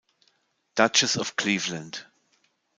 Duchess of Cleveland.